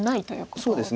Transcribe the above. そうですね。